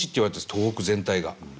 東北全体が。